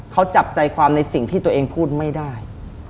เขาจับใจความในสิ่งที่ตัวเองพูดไม่ได้